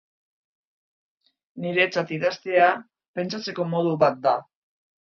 Niretzat idaztea, pentsatzeko modu bat da.